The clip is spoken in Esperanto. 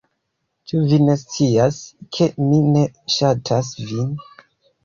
Ĉu vi ne scias, ke mi ne ŝatas vin?